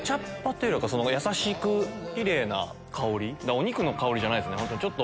お肉の香りじゃないっすね。